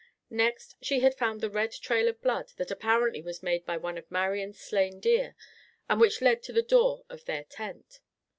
Next she had found the red trail of blood that apparently was made by one of Marian's slain deer, and which led to the door of their tent.